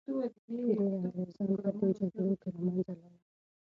ډیر انګریزان په دې جګړو کي له منځه لاړل.